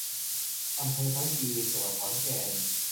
อำเภอพระยืน จังหวัดขอนแก่น